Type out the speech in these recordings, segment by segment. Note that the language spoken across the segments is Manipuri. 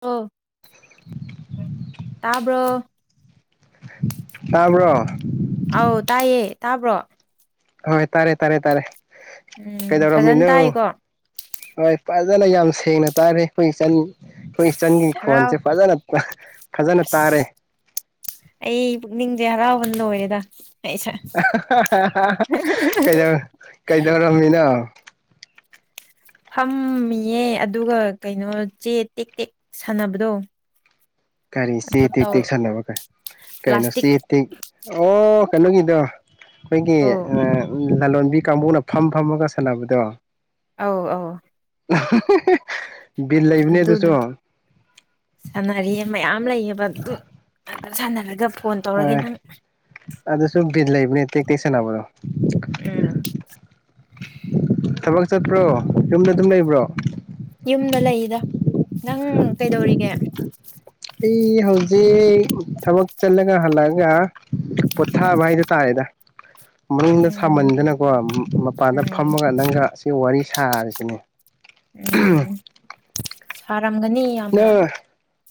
ꯑꯣ ꯇꯥꯕ꯭ꯔꯣ ꯇꯥꯕ꯭ꯔꯣ ꯑꯥꯎ ꯇꯥꯏꯌꯦ ꯇꯥꯕ꯭ꯔꯣ ꯍꯣꯏ ꯇꯥꯔꯦ ꯇꯥꯔꯦ ꯇꯥꯔꯦ ꯎꯝ ꯐꯖꯅ ꯀꯩꯗꯧꯔꯝꯃꯤꯅꯣ ꯇꯥꯏꯀꯣ ꯍꯣꯏ ꯐꯖꯅ ꯌꯥꯝ ꯁꯦꯡꯅ ꯇꯥꯔꯦ ꯑꯩꯈꯣꯏꯒꯤ ꯆꯟ ꯑꯩꯈꯣꯏ ꯏꯆꯟꯒꯤ ꯑꯁ ꯍꯔꯥꯎ ꯈꯣꯟꯁꯦ ꯐꯖꯅ ꯐꯖꯅ ꯇꯥꯔꯦ ꯑꯁ ꯑꯩ ꯄꯨꯛꯅꯤꯡꯁꯦ ꯍꯔꯥꯎꯕꯅ ꯂꯣꯏꯔꯦꯗ ꯑꯩꯁꯦ ꯀꯩꯗꯧꯔꯝꯃꯤꯅꯣ ꯐꯝꯃꯤꯌꯦ ꯑꯗꯨꯒ ꯀꯩꯅꯣ ꯆꯦ ꯇꯦꯛ ꯇꯦꯛ ꯁꯥꯟꯅꯕꯗꯣ ꯀꯔꯤ ꯆꯦ ꯑꯗꯨ ꯇꯦꯛ ꯇꯧ ꯇꯦꯛꯁꯟꯅꯕ ꯀ ꯀꯩꯅꯣ ꯄ꯭ꯂꯥꯁꯇꯤꯛ ꯆꯦ ꯇꯦꯛ ꯑꯣ ꯀꯩꯅꯣꯒꯤꯗꯣ ꯑꯩꯈꯣꯏꯒꯤ ꯑꯧ ꯑ ꯂꯂꯣꯟꯕꯤ ꯀꯥꯡꯕꯨꯅ ꯐꯝ ꯐꯝꯃꯒ ꯁꯥꯟꯅꯕꯗꯣ ꯑꯧꯑꯧ ꯑꯍ ꯍꯍ ꯑꯗꯨꯗꯣ ꯁꯥꯟꯅꯔꯤꯌꯦ ꯃꯌꯥꯝ ꯂꯦꯏꯌꯦ ꯕꯥ ꯑꯗꯨꯝ ꯑꯗꯨꯝ ꯁꯅꯔꯒꯥ꯫ ꯍ ꯑꯗꯨꯗꯁꯨꯨꯝ ꯗ ꯂꯩꯕꯅꯦ ꯀ ꯀꯩꯁꯅꯕ꯭ꯔꯣ ꯎꯝ ꯊꯥꯕꯛ ꯆ꯭ꯇꯞꯔꯣ ꯌꯨꯃꯗꯥ ꯑꯗꯨꯝ ꯂꯦꯏꯕ꯭ꯔꯣ꯫ ꯑꯦꯟ. ꯖꯤ. ꯖꯤ. ꯀꯦꯏ ꯗ꯭ꯕꯔꯤ꯫ [inaudible] ꯑꯩ ꯍꯧꯖꯤꯛ ꯊꯕꯛ ꯆꯠꯂꯒ ꯍꯜꯂꯛꯑꯒ ꯄꯣꯊꯥꯕ ꯍꯥꯏꯗ ꯇꯥꯔꯦꯗ ꯃꯅꯨꯡꯗ ꯎꯝ ꯁꯥꯃꯟꯗꯅꯀꯣ ꯃꯄꯥꯟꯗ ꯎꯝ ꯐꯝꯃꯒ ꯅꯪꯒ ꯑꯁꯤ ꯋꯥꯔꯤꯁꯤ ꯊꯥꯔꯥ ꯁꯤ ꯅꯦ ꯎꯝ ꯁꯔꯥꯃꯒ꯭ꯅꯤ꯫ ꯑ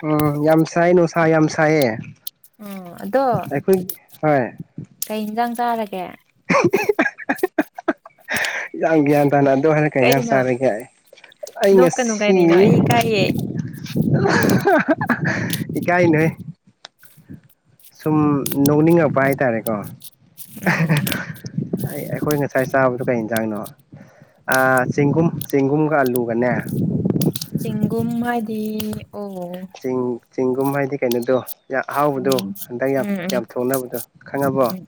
ꯎꯝ ꯌꯥꯝꯁꯥꯏꯅ ꯣꯁꯥ ꯌꯥꯝ ꯁꯥꯏꯌꯦ ꯎꯝ ꯑꯗꯣ ꯑꯩꯈꯣꯏ ꯍꯣꯏ ꯀꯩ ꯏꯟꯁꯥꯡ ꯆꯥꯔꯒꯦ [unintelligible] ꯏꯟꯖꯥꯡ ꯒ꯭ꯌꯥꯟ ꯇꯥꯅ ꯑꯗꯨ ꯍꯥꯏꯔꯒ ꯌꯦꯟꯖꯥꯡ ꯀꯩꯅꯣ ꯆꯥꯔꯒꯦ ꯑꯩ ꯑꯩ ꯅꯣꯛꯀꯅꯨ ꯉꯁꯤ ꯀꯔꯤꯅꯣ ꯑꯩ ꯏꯀꯥꯏꯌꯦ ꯀꯥꯏ ꯅꯦ ꯁꯨꯝ ꯅꯣꯛꯅꯤꯡꯉꯛꯄ ꯍꯥꯏꯇꯥꯔꯦꯀꯣ ꯎꯝ [unintelligible] ꯑꯩ ꯑꯩꯈꯣꯏ ꯉꯁꯥꯏ ꯆꯥꯕꯗꯣ ꯀꯩ ꯌꯦꯟꯖꯥꯡꯅꯣ ꯆꯦꯡꯒꯨꯝ ꯆꯦꯡꯒꯨꯝꯒ ꯑꯂꯨꯒꯅꯦ ꯆꯦꯡꯒꯨꯝ ꯍꯥꯏꯗꯤ ꯑꯣ ꯆꯦꯡꯒꯨꯝ ꯍꯥꯏꯗꯤ ꯀꯩꯅꯣꯗꯣ ꯌꯥꯝ ꯎꯝ ꯑꯍꯥꯎꯕꯗꯣ ꯎꯝ ꯍꯟꯗꯛ ꯌꯥꯝ ꯎꯝ ꯌꯥꯝ ꯊꯣꯡꯅꯕꯗꯣ ꯈꯪꯉꯕꯣ ꯎꯝ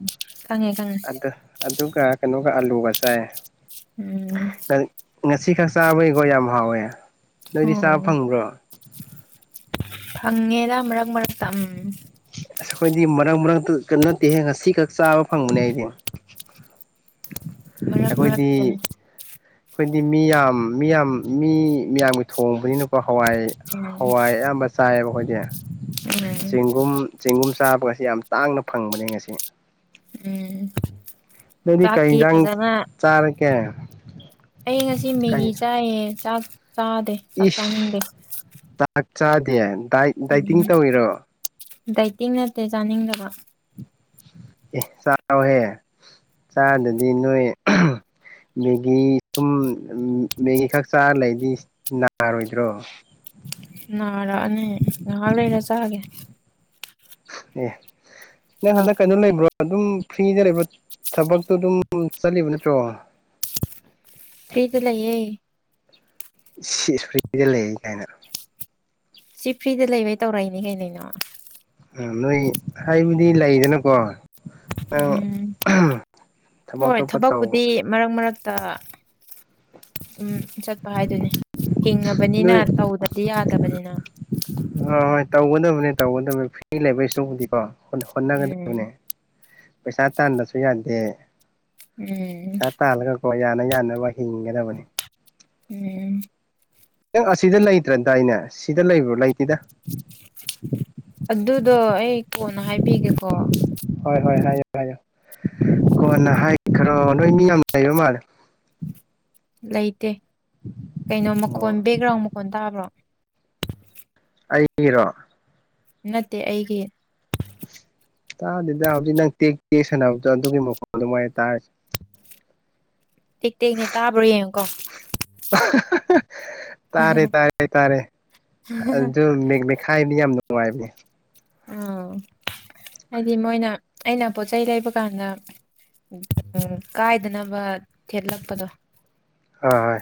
ꯈꯪꯉꯦ ꯈꯪꯉꯦ ꯑꯗ ꯑꯗꯨꯒ ꯀꯩꯅꯣꯒ ꯑꯥꯂꯨꯒ ꯆꯥꯏ ꯎꯝ ꯉꯁꯤ ꯈꯁꯥꯕꯒ ꯌꯥꯝꯝꯕ ꯅꯣꯏꯗꯤ ꯆꯥꯕ ꯐꯪꯕ꯭ꯔꯣ ꯍꯪꯦꯗ ꯍꯒ ꯃꯥꯛꯇꯝ ꯑꯁ ꯑꯩꯈꯣꯏꯗꯤ ꯃꯔꯛ ꯃꯔꯛꯇ ꯅꯠꯇꯦꯍꯦ ꯉꯁꯤ ꯈꯛ ꯆꯥꯕ ꯐꯪꯕꯅꯦ ꯑꯩꯗꯤꯦ ꯃꯔꯔꯛ ꯑꯩꯈꯣꯏꯗꯤ ꯃꯔꯔꯛꯛꯇꯅꯦ ꯑꯩꯈꯣꯏꯗꯤ ꯃꯤ ꯌꯥꯝ ꯃꯤ ꯌꯥꯝ ꯃꯤ ꯃꯤꯌꯥꯝꯒꯤ ꯊꯣꯡꯕꯅꯤꯅꯀꯣ ꯍꯋꯥꯏ ꯎꯝ ꯍꯋꯥꯏ ꯑꯌꯥꯝꯕ ꯆꯥꯏꯕ ꯑꯩꯈꯣꯏ ꯎꯝ ꯆꯦꯡꯒꯨꯝ ꯆꯦꯡꯒꯨꯝ ꯁꯥꯕꯣꯏ ꯌꯥꯝ ꯇꯥꯡꯅ ꯐꯪꯕꯅꯦ ꯉꯁꯤ ꯎꯝ ꯅꯣꯏꯗꯤ ꯀꯩ ꯆꯥꯛꯇꯤ ꯏꯟꯖꯥꯡ ꯐꯖꯅ ꯆꯥꯔꯒꯦ ꯑꯩ ꯉꯁꯤ ꯀꯩ ꯃꯦꯒꯤ ꯆꯥꯏꯌꯦ ꯆꯥꯛ ꯆꯥꯗꯦ ꯆꯥꯛ ꯆꯥꯅꯤꯡꯕꯦ ꯆꯥꯗꯤꯦꯟ ꯗꯥꯏꯠ ꯗꯥꯏꯇꯤꯡ ꯇꯧꯏꯔꯣ ꯗꯥꯏꯇꯤꯡ ꯅꯠꯇꯦ ꯆꯥꯅꯤꯡꯗꯕ ꯑꯦ ꯆꯥꯎꯍꯦ ꯆꯥꯗꯗꯤ ꯅꯣꯏ ꯃꯦꯒꯤ ꯇꯨꯝ ꯃꯦꯒꯤ ꯈꯛ ꯆꯥꯔ ꯂꯩꯗꯤ ꯅꯥꯔꯣꯏꯗ꯭ꯔꯣ ꯅꯥꯔꯛꯑꯅꯤ ꯉꯥꯏꯍꯥꯛ ꯂꯩꯔ ꯆꯥꯒꯦ ꯑꯦ ꯅꯪ ꯍꯟꯗꯛ ꯀꯩꯅꯣ ꯂꯩꯕ꯭ꯔꯣ ꯑꯗꯨꯝ ꯐ꯭ꯔꯤꯗ ꯂꯩꯕꯔꯣ ꯊꯕꯛꯇꯣ ꯑꯗꯨꯝ ꯆꯠꯂꯤꯕ ꯅꯠꯇ꯭ꯔꯣ ꯐ꯭ꯔꯤꯗ ꯂꯩꯌꯦ ꯁꯤꯁ ꯐ꯭ꯔꯤꯗ ꯂꯩ ꯀꯥꯏꯅ ꯁꯤ ꯐ꯭ꯔꯤꯗ ꯂꯩꯕꯩ ꯇꯧꯔꯛꯏꯅꯦ ꯀꯩꯅꯩꯅꯣ ꯎꯝ ꯅꯣꯏ ꯍꯥꯏꯕꯗꯤ ꯂꯩꯗꯅꯀꯣ ꯅꯪ ꯎꯝ ꯊꯕꯛ ꯍꯣꯏ ꯑꯇꯣꯞꯄ ꯇꯧ ꯊꯕꯛꯄꯨꯗꯤ ꯃꯔꯛ ꯃꯔꯛ ꯇ ꯎꯝ ꯆꯠꯄ ꯍꯥꯏꯗꯨꯅꯤ ꯍꯤꯡꯉꯕꯅꯤꯅ ꯅꯣꯏ ꯇꯧꯗꯗꯤ ꯌꯥꯗꯕꯅꯤꯅ ꯍꯣꯏ ꯍꯣꯏ ꯇꯧꯒꯗꯕꯅꯦ ꯇꯧꯒꯗꯕꯅꯦ ꯐ꯭ꯔꯤ ꯂꯩꯕꯩ ꯏꯁꯇꯕꯨꯗꯤꯀꯣ ꯍꯣ ꯎꯝ ꯍꯣꯠꯅꯒꯗꯕꯅꯦ ꯄꯩꯁꯥ ꯇꯥꯟꯕꯁꯨ ꯌꯥꯗꯦ ꯎꯝ ꯄꯩꯁꯥ ꯇꯥꯜꯂꯒꯀꯣ ꯌꯥꯅ ꯌꯥꯅꯋꯣꯏ ꯍꯤꯡꯒꯗꯕꯅꯤ ꯎꯝ ꯅꯪ ꯑꯁꯤꯗ ꯂꯩꯇ꯭ꯔꯗꯥꯏꯅꯦ ꯁꯤꯗ ꯂꯩꯕ꯭ꯔꯣ ꯂꯩꯇꯦꯗ ꯑꯗꯨꯗꯣ ꯑꯩ ꯀꯣꯟꯅ ꯍꯥꯏꯕꯤꯒꯦꯀꯣ ꯍꯣꯏ ꯍꯣꯏ ꯍꯥꯏꯌꯣ ꯍꯥꯏꯌꯣ ꯀꯣꯟꯅ ꯍꯥꯏꯈ꯭ꯔꯣ ꯅꯣꯏ ꯃꯤ ꯌꯥꯝ ꯂꯩꯕ ꯃꯥꯜꯂꯦ ꯂꯩꯇꯦ ꯀꯩꯅꯣ ꯑꯣ ꯃꯈꯣꯟ ꯕꯦꯛꯒ꯭ꯔꯥꯎꯟ ꯃꯈꯣꯟ ꯇꯥꯕ꯭ꯔꯣ ꯑꯩꯒꯤꯔꯣ ꯅꯠꯇꯦ ꯑꯩꯒꯤ ꯇꯥꯗꯦꯗ ꯍꯧꯖꯤꯛ ꯅꯪ ꯇꯦꯛꯇꯦꯛ ꯁꯥꯟꯅꯕꯗꯣ ꯑꯗꯨꯒꯤ ꯃꯈꯣꯟ ꯑꯗꯨꯃꯥꯏꯅ ꯇꯥꯔꯦ ꯇꯦꯛ ꯇꯦꯛꯅꯦ ꯇꯥꯕ꯭ꯔ ꯌꯦꯡꯉꯨꯀꯣ ꯇꯥꯔꯦ ꯇꯥꯔꯦ ꯇꯥꯔꯦ ꯑꯗꯨꯝ ꯃꯦꯛ ꯃꯦꯈꯥꯏ ꯃꯤ ꯌꯥꯝ ꯅꯨꯡꯉꯥꯏꯕꯅꯦ ꯎꯝ ꯍꯥꯏꯗꯤ ꯃꯣꯏꯅ ꯑꯩꯅ ꯄꯣꯠꯆꯩ ꯂꯩꯕ ꯀꯥꯟꯗ ꯀꯥꯏꯗꯅꯕ ꯊꯦꯠꯂꯛꯄꯗꯣ ꯍꯣ ꯍꯣꯏ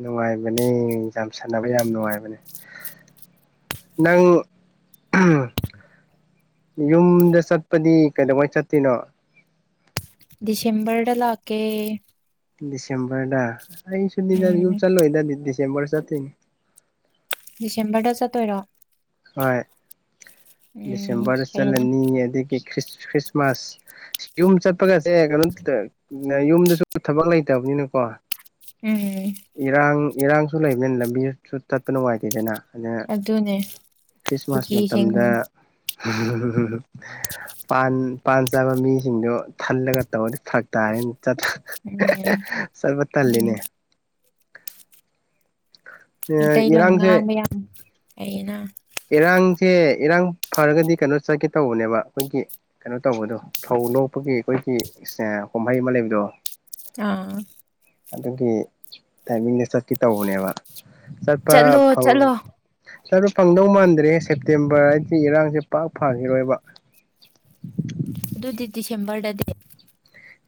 ꯅꯨꯡꯉꯥꯏꯕꯅꯤ ꯌꯥꯝ ꯁꯥꯟꯅꯕ ꯌꯥꯝ ꯅꯨꯡꯉꯥꯏꯕꯅꯦ ꯅꯪ ꯌꯨꯝꯗ ꯆꯠꯄꯗꯤ ꯀꯩꯗꯧꯉꯩ ꯆꯠꯇꯣꯏꯅꯣ ꯗꯤꯁꯦꯝꯕꯔꯗ ꯂꯥꯛꯀꯦ [unintelligible] ꯆꯔꯗ ꯑꯩꯁꯨ ꯌ ꯎꯝ ꯆꯂꯣꯏꯗꯥ [unintelligible] ꯆꯦꯝꯕꯔ ꯆꯠꯇ‌ꯣꯏꯅꯤ ꯗꯤꯁꯦꯝꯕꯔꯗ ꯆꯠꯇꯣꯏꯔꯣ ꯍꯣꯏ ꯎꯝ ꯗꯤꯁꯦꯝꯕꯔꯗ ꯐꯩꯅ ꯆꯠꯂꯅꯤ ꯑꯗꯒꯤ ꯈ꯭ꯔꯤꯁꯃꯥꯁ ꯌꯨꯝ ꯆꯠꯄꯒꯁꯦ ꯀꯩꯅꯣ ꯌꯨꯝꯗꯁꯨ ꯊꯕꯛ ꯂꯩꯇꯕꯅꯤꯅꯀꯣ ꯎꯝ ꯏꯔꯥꯡ ꯏꯔꯥꯡꯁꯨ ꯂꯩꯕꯅꯤꯅ ꯂꯝꯕꯤꯁꯨ ꯇꯠꯄ ꯅꯨꯡꯉꯏꯇꯦꯗꯅ ꯑꯗꯨ ꯑꯗꯨꯅꯦ ꯈ꯭ꯔꯤꯁꯃꯥꯁ ꯀꯨꯀꯤꯁꯤꯡ ꯃꯇꯝꯗ ꯎ ꯄꯥꯟ ꯄꯥꯟ ꯆꯥꯕ ꯃꯤꯁꯤꯡꯗꯣ ꯊꯜꯂꯒ ꯇꯧꯕꯗꯤ ꯐꯔꯛ ꯇꯥꯔꯦ ꯎꯝ ꯆꯠꯄ ꯑꯗꯨꯅꯦ ꯇꯜꯂꯤꯅꯦ ꯏꯇꯩꯩ ꯂꯣ ꯏꯔꯥꯡꯁꯦ ꯉꯕ ꯌꯥ ꯑꯩꯅ ꯏꯔꯥꯡꯁꯦ ꯏꯔꯥꯡ ꯐꯔꯒꯗꯤ ꯀꯩꯅꯣ ꯆꯠꯀꯦ ꯇꯧꯕꯅꯦꯕ ꯑꯩꯈꯣꯏꯒꯤ ꯀꯩꯅꯣ ꯇꯧꯕꯗꯣ ꯐꯧ ꯂꯣꯛꯄꯒꯤ ꯑꯩꯈꯣꯏꯒꯤ ꯀꯨꯝꯍꯩ ꯑꯃ ꯂꯩꯕꯗꯣ ꯑꯥ ꯑꯗꯨꯒꯤ ꯇꯥꯏꯃꯤꯡꯗ ꯆꯠꯀꯦ ꯇꯧꯕꯅꯦꯕ ꯆꯠꯂꯣ ꯆꯠꯂꯣ ꯁꯔꯨ ꯐꯪꯗꯧ ꯃꯥꯟꯗ꯭ꯔꯦ ꯁꯦꯞꯇꯦꯝꯕꯔ ꯍꯥꯏꯗꯤ ꯏꯔꯥꯡꯁꯦ ꯄꯥꯛ ꯐꯈꯤꯔꯣꯏꯕ ꯑꯗꯨꯗꯤ ꯗꯤꯁꯦꯝꯕꯔꯗꯗꯤ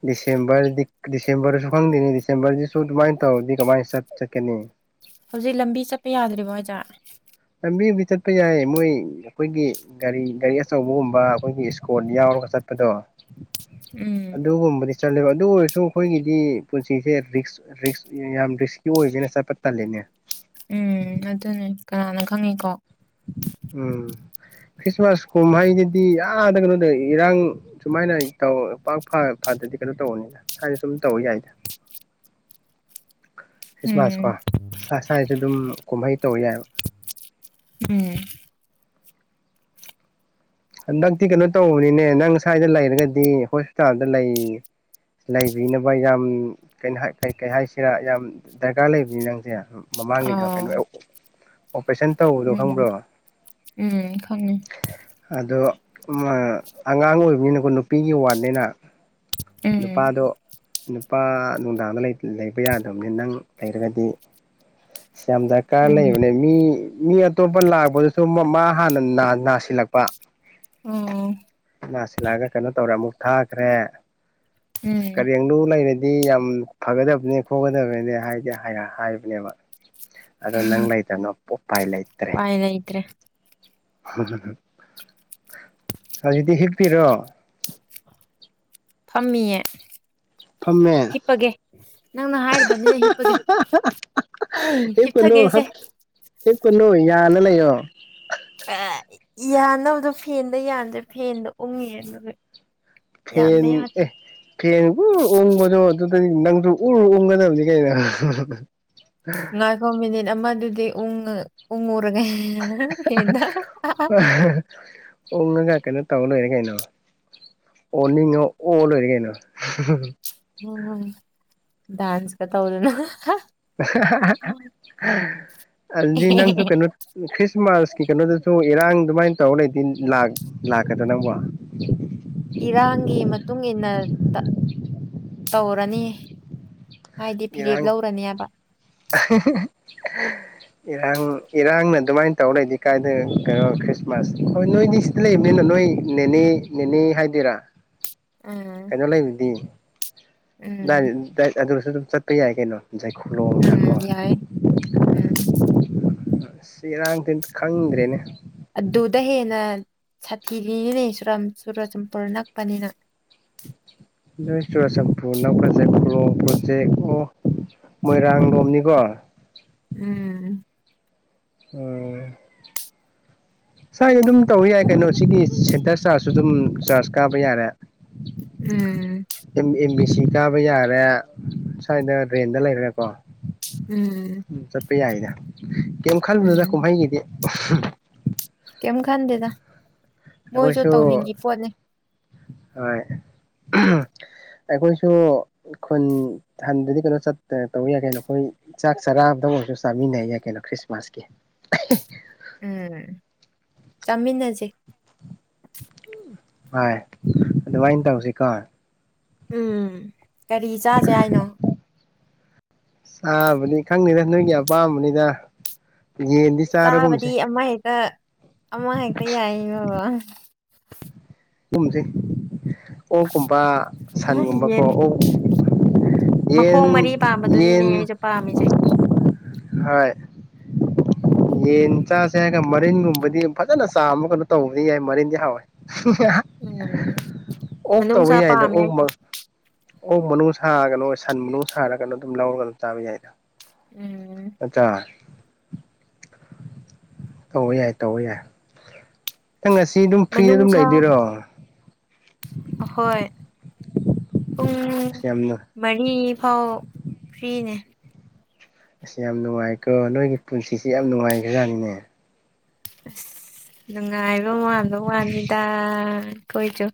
ꯗꯤꯁꯦꯝꯕꯔꯗꯤꯗꯤꯁꯦꯝꯕꯔꯁꯨ ꯐꯪꯅꯤ ꯗꯤꯁꯦꯝꯕꯔꯗꯤꯁꯨꯃꯥꯏ ꯇꯧ ꯀꯃꯥꯏ ꯆ ꯆꯀꯅꯤ ꯍꯧꯖꯤꯛ ꯂꯝꯕꯤ ꯆꯠꯄ ꯌꯥꯗ꯭ꯔꯤꯕꯣ ꯑꯣꯖꯥ ꯂꯝꯕꯤꯕꯨꯗꯤ ꯆꯠꯄ ꯌꯥꯏ ꯃꯣꯏ ꯑꯩꯈꯣꯏꯒꯤ ꯒꯥꯔꯤ ꯒꯥꯔꯤ ꯑꯆꯧꯕꯒꯨꯝꯕ ꯑꯩꯈꯣꯏꯒꯤ ꯏꯁꯀꯣꯔꯠ ꯌꯥꯎꯔꯒ ꯆꯠꯄꯗꯣ ꯎꯝ ꯑꯗꯨꯒꯨꯝꯕꯗꯤ ꯆꯠꯂꯦꯕ ꯑꯗꯨ ꯑꯣꯏꯔꯁꯨ ꯑꯩꯈꯣꯏꯒꯤꯗꯤ ꯄꯨꯟꯁꯤꯁꯦ ꯔꯤꯛꯁ ꯔꯤꯛꯁ ꯌꯥꯝ ꯔꯤꯛꯁꯀꯤ ꯑꯣꯏꯒꯦꯅ ꯆꯠꯄ ꯇꯂꯦꯅꯦ ꯎꯝ ꯑꯗꯨꯅꯦ ꯀꯅꯥꯅ ꯈꯪꯉꯤꯀꯣ ꯎꯝ ꯈ꯭ꯔꯤꯁꯃꯥꯁ ꯀꯨꯝꯍꯩꯗꯗꯤ ꯌꯥꯗ ꯀꯩꯅꯣꯗ ꯏꯔꯥꯡ ꯁꯨꯃꯥꯏꯅꯧ ꯄꯥꯛ ꯐꯗꯗꯤ ꯀꯩꯅꯣ ꯇꯧꯕꯅꯤꯅ ꯁꯨꯃꯥꯏꯅ ꯁꯨꯝ ꯇꯧ ꯌꯥꯏꯗ ꯈ꯭ꯔꯤꯁꯃꯥꯁ ꯎꯝ ꯀ ꯆꯥꯏ ꯁ꯭ꯋꯥꯏꯁꯨ ꯑꯗꯨꯝ ꯀꯨꯝꯍꯩ ꯇꯧ ꯌꯥꯏꯕ ꯎꯝ ꯍꯟꯗꯛꯇꯤ ꯀꯩꯅꯣ ꯇꯧꯕꯅꯤꯅꯦ ꯅꯪ ꯁ꯭ꯋꯥꯏꯗ ꯂꯩꯔꯒꯗꯤ ꯍꯣꯁꯄꯤꯇꯥꯜꯗ ꯂꯩ ꯂꯩꯕꯤꯅꯕ ꯌꯥꯝ ꯀꯩꯅꯣ ꯀꯩ ꯀꯩ ꯍꯥꯏꯁꯤꯔꯥ ꯌꯥꯝ ꯗꯔꯀꯥꯔ ꯂꯩꯕꯅꯤ ꯅꯪꯁꯦ ꯃꯃꯥꯡꯒꯤꯗ ꯑꯥꯎ ꯀꯩꯅꯣ ꯑꯦ ꯎꯝ ꯎꯝ ꯈꯪꯉꯦ ꯑꯗꯣ ꯑꯉꯥꯡ ꯑꯣꯏꯕꯅꯤꯅꯀꯣ ꯅꯨꯄꯤꯒꯤ ꯋꯥꯠꯅꯤꯅ ꯎꯝ ꯅꯨꯄꯥꯗꯣ ꯅꯨꯄꯥ ꯅꯨꯡꯗꯥꯡꯗ ꯂꯩꯕ ꯌꯥꯗꯕꯅꯤ ꯅꯪ ꯂꯩꯔꯒꯗꯤ ꯌꯥꯝ ꯗꯔꯀꯥꯔ ꯎꯝ ꯂꯩꯕꯅꯦ ꯃꯤ ꯃꯤ ꯑꯇꯣꯞꯄ ꯂꯥꯛꯄꯗꯨꯁꯨ ꯃꯥ ꯍꯥꯟꯅ ꯅꯥꯁꯤꯜꯂꯛꯄ ꯑꯣ ꯅꯥꯁꯤꯜꯂꯛꯑꯒ ꯀꯩꯅꯣ ꯇꯧꯔꯦ ꯑꯃꯨꯛ ꯊꯥꯈ꯭ꯔꯦ ꯎꯝ ꯀꯔꯦꯨ ꯂꯩꯔꯗꯤ ꯌꯥꯝ ꯐꯒꯗꯕꯅꯦ ꯈꯣꯠꯀꯗꯕꯅꯦ ꯍꯥꯏꯗꯤ ꯍꯥꯏꯕꯅꯦꯕ ꯑꯗ ꯅꯪ ꯂꯥꯏꯇꯅꯣ ꯄ ꯐꯥꯏꯅꯥꯏꯇ꯭ꯔꯦ ꯍꯧꯖꯤꯗꯤ ꯍꯤꯞꯄꯤꯔꯣ ꯐꯝꯃꯤꯌꯦ ꯐꯝꯃꯦ ꯍꯤꯞꯄꯒꯦ ꯅꯪꯅ ꯍꯥꯏꯔꯕꯅꯤꯅ ꯍꯤꯞꯄꯒꯦ ꯑꯩ ꯍꯤꯞꯀꯅꯨ ꯍꯤꯞꯊꯒꯦꯁꯦ ꯍꯂꯣ ꯍ ꯌꯥꯅꯕꯗꯣ ꯐꯦꯟꯗ ꯌꯥꯗ꯭ꯔꯦ ꯐꯦꯟꯗꯣ ꯎꯡꯉꯦ ꯑꯗꯨꯒ ꯐꯦꯟ ꯌꯥꯟꯕ ꯌꯥꯗꯦ ꯑꯦ ꯐꯦꯟꯕꯨ ꯑꯣꯕꯗ ꯑꯗꯨ ꯑꯗꯨ ꯅꯪꯁꯨ ꯎꯔ ꯎꯒꯗꯕꯅꯤ ꯀꯩꯅ ꯉꯥꯏꯈꯣ ꯃꯤꯅꯤꯠ ꯑꯃꯗꯨꯗꯤ ꯎ ꯎꯉ ꯔꯒꯦ ꯍ [unintelligible] ꯎꯪꯉꯒ ꯀꯩꯅꯣ ꯇꯧ ꯂꯣꯏꯔꯦ ꯀꯩꯅꯣ ꯑꯣꯅꯤꯡꯉꯣ ꯑꯣ ꯂꯣꯏꯔꯦ ꯀꯩꯅꯣ ꯎꯝ ꯗꯥꯥꯟꯁꯀ ꯇꯧꯂꯅ ꯑꯗꯨꯗꯤ ꯅꯪꯁꯨ ꯀꯩꯅꯣ ꯈ꯭ꯔꯤꯁꯃꯥꯁ ꯀꯩꯅꯣꯗꯁꯨ ꯏꯔꯥꯡ ꯑꯗꯨꯃꯥꯏꯅ ꯇꯧꯔ ꯂꯩꯇꯦ ꯂꯥꯛꯀꯗ ꯅꯀꯣ ꯏꯔꯥꯡꯒꯤ ꯃꯇꯨꯡ ꯏ ꯃꯇꯨꯡꯏꯟꯅ ꯇꯧꯔ ꯔꯅꯤ ꯍꯥꯏꯗꯤ ꯐꯤꯔꯦꯞ ꯏꯔꯥꯡ ꯂꯧꯔꯅꯦꯕ ꯏꯔꯥꯡ ꯏꯔꯥꯡꯅ ꯑꯗꯨꯃꯥꯏꯅ ꯇꯧꯔ ꯂꯩꯗꯤ ꯀꯥꯏꯗ ꯀꯩꯅꯣ ꯈ꯭ꯔꯤꯁꯃꯥꯁ ꯍꯣꯏ ꯅꯣꯏꯗꯤ ꯁꯤꯗ ꯂꯩꯕꯅꯤꯅ ꯅꯣꯏ ꯅꯦꯅꯦ ꯅꯦꯅꯦ ꯍꯥꯏꯗꯣꯏꯔꯥ ꯎꯝ ꯀꯩꯅꯣ ꯂꯩꯗꯤ ꯎꯝ [inaudible] ꯂꯨꯔꯁꯨꯗꯨꯝ ꯆꯠꯄ ꯌꯥꯏ ꯀꯩꯅꯣ ꯏ ꯈꯨꯂꯣ ꯉ ꯀ ꯎꯝ ꯌꯥꯏ ꯎꯝ ꯁꯤ ꯏꯔꯥꯡꯗꯤ ꯈꯪꯗ꯭ꯔꯦꯅꯦ ꯑꯗꯨ ꯎꯗꯍꯦꯅ ꯁꯥꯊꯤꯔꯤꯅꯤꯅꯦꯨꯔ ꯆꯨꯔꯆꯄꯨꯔ ꯅꯛꯄꯅꯤꯅ ꯅꯣꯏ ꯆꯨꯔꯆꯥꯟꯄꯨꯔ ꯅꯥꯎꯀꯖꯠꯄꯣ ꯄ꯭ꯔꯣꯖꯦꯛ ꯑꯣ ꯃꯣꯏꯔꯥꯡ ꯂꯣꯝꯅꯤꯀꯣ ꯎꯝ ꯎꯝ ꯁꯥꯏ ꯑꯗꯨꯝ ꯇꯧꯕ ꯌꯥꯏ ꯀꯩꯅꯣ ꯁꯤꯒꯤ ꯁꯦꯟꯇꯔ ꯆꯥꯔꯖꯁꯨ ꯑꯗꯨꯝ ꯆꯥꯔꯖ ꯀꯥꯕ ꯌꯥꯔꯦ ꯎꯝ ꯑꯦꯝ ꯑꯦꯝ ꯕꯤ ꯁꯤ ꯀꯥꯕ ꯌꯥꯔꯦ ꯁ꯭ꯋꯥꯏꯗ ꯔꯦꯟꯗ ꯂꯩꯔꯦꯀꯣ ꯎꯝ ꯄꯌꯥꯥꯏꯗ ꯀꯦꯝ ꯈꯜꯂꯨꯅꯨꯗꯥ ꯎꯝ ꯀꯨꯃꯍꯩꯒꯤꯗꯤ [unintelligible] ꯀꯝ ꯈꯥꯟꯗꯦꯗ ꯃꯣꯏꯁꯨ ꯑꯩꯈꯣꯏꯁꯨ ꯇꯧꯅꯤꯡꯉꯤ ꯄꯣꯠꯅꯤ ꯍꯣꯏ ꯑꯩꯈꯣꯏꯁꯨ ꯈꯨꯟ ꯍꯟꯗꯗꯤ ꯀꯩꯅꯣ ꯆ ꯇꯧ ꯌꯥꯏ ꯀꯩꯅꯣ ꯑꯩꯈꯣꯏ ꯆꯥꯛ ꯆꯔꯥꯕꯗ ꯑꯣꯏꯔꯁꯨ ꯆꯥꯃꯤꯟꯅꯩ ꯌꯥꯏ ꯀꯩꯅꯣ ꯈ꯭ꯔꯤꯁꯃꯥꯁꯀꯤ ꯎꯝ ꯆꯥꯃꯤꯟꯅꯁꯤ ꯍ ꯑꯗꯨꯃꯥꯏꯅ ꯇꯧꯁꯤꯀꯣ ꯎꯝ ꯀꯔꯤ ꯆꯥꯁꯦ ꯍꯥꯏꯅꯣ ꯆꯥꯕꯅꯤ ꯈꯪꯅꯤꯗ ꯅꯣꯏꯒꯤ ꯑꯄꯥꯝꯕꯅꯤꯗ ꯌꯦꯟꯗꯤ ꯆꯥꯔꯒꯨꯝꯁꯦ ꯆꯥꯕꯗꯤ ꯑꯃꯍꯦꯛꯇ ꯑꯃꯍꯦꯛꯇ ꯌꯥꯏ ꯕꯥ ꯍꯨꯝꯁꯦ ꯑꯣꯒꯨꯝꯕ ꯁꯥꯟꯒꯨꯝꯕ ꯀꯣ ꯌꯦꯟ ꯑꯣ ꯃꯈꯣꯡ ꯃꯔꯤ ꯄꯥꯝꯕꯗꯨꯅꯤꯅꯦ ꯌꯦꯟ ꯑꯩꯁꯨ ꯄꯥꯝꯃꯤꯁꯦ ꯍꯣꯏ ꯌꯦꯟ ꯆꯥꯁꯦ ꯍꯥꯏꯔꯒ ꯃꯔꯤꯟꯒꯨꯝꯕꯗꯤ ꯐꯖꯅ ꯆꯥꯕ ꯀꯩꯅꯣ ꯇꯧꯕꯗꯤ ꯌꯥꯏ ꯃꯔꯤꯟꯗꯤ ꯍꯥꯎꯋꯦ ꯎꯝ ꯑꯣꯛ ꯇꯧꯕ ꯅꯨꯡꯁꯥ ꯌꯥꯏꯗ ꯄꯥꯝꯃꯦ ꯑꯣꯛ ꯑꯩꯁꯨ ꯑꯣꯛ ꯃꯅꯨꯡ ꯁꯥꯔꯒꯅꯣ ꯍꯣꯏ ꯁꯟ ꯃꯅꯨꯡ ꯁꯥꯔꯒꯅꯣ ꯑꯗꯨꯝ ꯂꯧꯔꯒ ꯑꯗꯨꯝ ꯆꯥꯕ ꯌꯥꯏꯗ ꯎꯝ ꯑꯆꯥ ꯇꯧꯕ ꯌꯥꯏ ꯇꯧꯕ ꯌꯥꯏ ꯅꯪ ꯉꯁꯤ ꯑꯗꯨꯝ ꯐ꯭ꯔꯤꯗ ꯑꯗꯨꯝ ꯂꯩꯗꯣꯏꯔꯣ ꯑꯥꯍꯣꯏ ꯎ ꯑꯁ ꯌꯥꯝꯅ ꯃꯅꯤ ꯑꯥꯎ ꯐ꯭ꯔꯤꯅꯦ ꯑꯁ ꯌꯥꯝ ꯅꯨꯡꯉꯥꯏꯀꯣ ꯅꯣꯏꯒꯤ ꯄꯨꯟꯁꯤꯁꯤ ꯌꯥꯝ ꯅꯨꯡꯉꯥꯏꯈ꯭ꯔꯖꯥꯠꯅꯤꯅꯦ ꯑ [unintelligible] ꯅꯨꯡꯉꯥꯏꯕ ꯃꯥꯟꯕ ꯋꯥꯅꯤꯗ ꯑꯩꯈꯣꯏꯁꯨ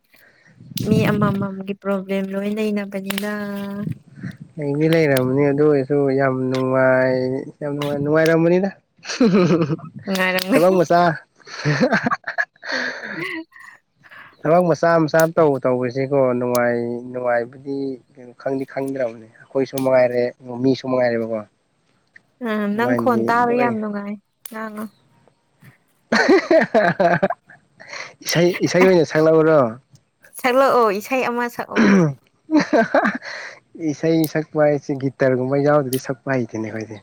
ꯃꯤ ꯑꯃꯃꯝꯒꯤ ꯄ꯭ꯔꯣꯕ꯭ꯂꯦꯝ ꯂꯣꯏ ꯂꯩꯅꯕꯅꯤꯅ ꯑꯩꯗꯤ ꯂꯩꯔꯝꯃꯅꯤ ꯑꯗꯨ ꯑꯣꯏꯔꯁꯨ ꯌꯥꯝ ꯅꯨꯡꯉꯥꯏ ꯌꯥꯝ ꯅꯨꯡꯉꯥꯏꯔꯝꯕꯅꯤꯅ [unintelligible] ꯅꯨꯡꯉꯥꯏꯔꯝꯒꯅꯤ ꯊꯕꯛ ꯃꯆꯥ ꯍ [unintelligible] ꯎꯝ ꯊꯕꯛ ꯃꯆꯥ ꯃꯆꯥ ꯇꯧ ꯇꯧꯕꯁꯤꯀꯣꯅꯨꯡꯉꯥꯏ ꯅꯨꯡꯉꯥꯏꯕꯗꯤ ꯀꯣ ꯈꯪꯗꯤ ꯈꯪꯗ꯭ꯔꯕꯅꯦ ꯑꯩꯈꯣꯏꯁꯨ ꯃꯉꯥꯏꯔꯦ ꯑꯣ ꯃꯤꯁꯨ ꯃꯉꯥꯏꯔꯦꯕꯀꯣ ꯎꯝ ꯅꯪ ꯈꯣꯟ ꯑꯗꯨꯃꯥꯏꯅꯗꯤ ꯇꯥꯕ ꯂꯣꯏ ꯌꯥꯝ ꯅꯨꯡꯉꯥꯏ ꯑꯉ [unintelligible] ꯏꯁꯩ ꯏꯁꯩꯒꯤ ꯑꯣꯏꯅ ꯁꯛꯂꯛꯎꯔꯣ ꯍꯦꯜꯂꯣ ꯑꯣꯏ ꯏꯁꯩ ꯑꯃꯥ ꯁꯛꯑꯣ ꯏꯁꯩ ꯁꯛꯄ ꯍꯥꯏꯁꯦ ꯒꯤꯇꯔꯒꯨꯝꯕ ꯌꯥꯎꯕꯗꯗꯤ ꯁꯛꯄ ꯍꯩꯇꯅꯦ ꯑꯩꯈꯣꯏꯗꯤ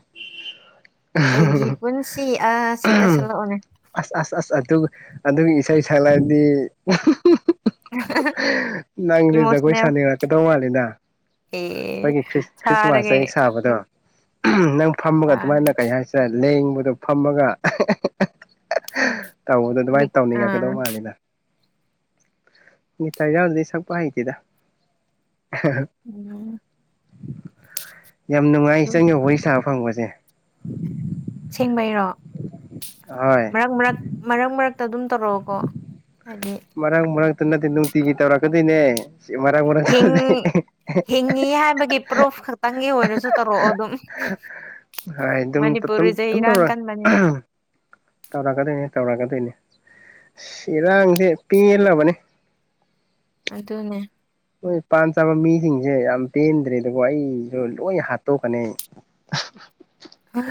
ꯑꯩꯒꯤ ꯄꯨꯟꯁꯤ ꯑꯁꯤꯗ ꯁꯠꯂꯛꯑꯣꯅꯦ ꯑꯁ ꯑꯁ ꯑꯁ ꯑꯗꯨ ꯏꯁꯩ ꯁꯛꯂꯗꯤ ꯑꯥ ꯅꯪꯗꯤ ꯖꯒꯣꯏ ꯁꯥꯅꯤꯡꯔꯛꯀꯗꯧ ꯃꯥꯜꯂꯤꯗ ꯑꯦ ꯑꯩꯈꯣꯏꯒꯤ ꯈ꯭ꯔꯤꯁꯃꯥꯁ ꯁꯥꯔꯒꯦ ꯆꯍꯤ ꯁꯥꯕꯗꯣ ꯑꯍꯝ ꯅ ꯐꯝꯃꯒ ꯑꯗꯨꯃꯥꯏꯅ ꯁꯥꯔꯒꯦ ꯀꯩ ꯍꯥꯏꯁꯔꯦ ꯂꯦꯡꯕꯗꯣ ꯐꯝꯃꯒ ꯇꯧꯕꯗꯣ ꯂꯤꯛ ꯑꯗꯨꯃꯥꯏꯅ ꯇꯧꯅꯤꯡꯉꯛꯀꯗꯧ ꯑꯥ ꯃꯥꯜꯂꯤꯅ ꯒꯤ ꯇꯖꯔꯗꯤ ꯁ ꯄꯥꯥꯏꯇꯤꯗ ꯎꯝ ꯌꯥꯝ ꯅꯨꯡꯉꯥꯏ ꯆꯪꯉꯦ ꯋꯥꯔꯤ ꯁꯥ ꯐꯪꯕꯁꯦ ꯁꯦꯡꯕꯩꯔꯣ ꯍꯣꯏ ꯃꯔꯛ ꯃꯔꯛ ꯃꯔꯛ ꯃꯔꯛ ꯑꯗꯨꯝ ꯇꯧꯔꯑꯣꯀꯣ ꯃꯔꯥꯡ ꯃꯔꯥꯡ ꯅꯠꯇ ꯅꯨꯡꯇꯤꯒꯤ ꯇꯧꯔꯛꯀꯗꯣꯏꯅꯦ ꯁꯤ ꯃꯔꯛ ꯍꯤꯡ ꯃꯔꯛꯇꯗꯤ ꯍꯤꯡꯉꯤ ꯍꯥꯏꯕꯒꯤ ꯄ꯭ꯔꯨꯐ ꯈꯛꯇꯪꯒꯤ ꯑꯣꯏꯔꯁꯨ ꯇꯧꯔꯛꯑꯣ ꯑꯗꯨꯝ ꯍꯣꯏ ꯑꯗꯨꯝ ꯃꯅꯤꯄꯨꯔꯤꯁꯦ ꯑꯗꯨꯝ ꯏꯔꯥꯡ ꯇꯧꯔ ꯀꯟꯕꯅꯤꯅ ꯇꯧꯔꯛꯀꯗꯣꯏꯅꯦ ꯇꯧꯔꯛꯀꯗꯣꯏꯅꯦ ꯏꯔꯥꯡꯁꯦ ꯄꯦꯜꯂꯕꯅꯤ ꯑꯗꯨ ꯑꯗꯨꯅꯦ ꯍꯣꯏ ꯄꯥꯟꯝ ꯆꯥꯕ ꯃꯤꯁꯤꯡꯁꯦ ꯌꯥꯝ ꯄꯦꯟꯗ꯭ꯔꯦ ꯑꯗꯨꯕꯨ ꯑꯩꯁꯨ ꯂꯣꯏ ꯍꯥꯠꯇꯣꯛꯀꯅꯤ ꯍ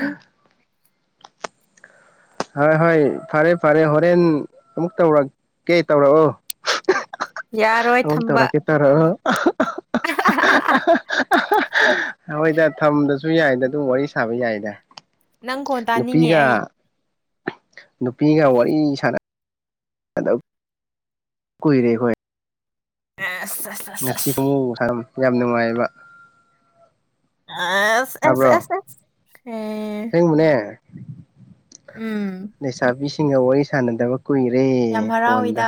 ꯍꯣꯏ ꯍꯣꯏ ꯐꯔꯦ ꯐꯔꯦ ꯍꯣꯔꯦꯟ ꯑꯃꯨꯛ ꯇꯧꯔꯛꯀꯦ ꯇꯧꯔꯛꯑꯣ ꯌꯥꯔꯣꯏ ꯑꯣꯟ ꯊꯝꯕ ꯇꯧꯔ ꯀ ꯇꯔꯣ ꯑꯍ [unintelligible] ꯑ ꯍꯣꯏꯗ ꯊꯝꯗꯁꯨ ꯁꯨ ꯌꯥꯏꯗ ꯑꯗꯨꯝ ꯋꯥꯔꯤ ꯁꯥꯕ ꯌꯥꯏꯗ ꯅꯪ ꯀꯣꯟ ꯇꯥꯅꯤꯡꯉꯦ ꯅꯨꯄꯤꯒ ꯑꯩ [inaudible] ꯅꯨꯄꯤꯒ ꯋꯥꯔꯤ ꯁꯥꯟꯅ [unintelligible] ꯀꯨꯏꯔꯦ ꯑꯩꯈꯣꯏ ꯑꯦꯁ ꯉꯁꯤ [unintelligible] ꯌꯥꯝ ꯅꯨꯡꯉꯥꯏꯕ ꯑꯁ ꯑꯦꯁ ꯇꯥꯕ꯭ꯔꯣ ꯑꯦꯁ ꯑꯦꯁ ꯑꯁꯦꯡꯕꯅꯦ ꯎꯝ ꯁꯤꯡꯒ ꯋꯥꯔꯤ ꯁꯥꯟꯅꯗꯕ ꯀꯨꯏꯔꯦ ꯌꯥꯝ ꯐꯣꯟꯗ ꯍꯔꯥꯎꯋꯤꯗ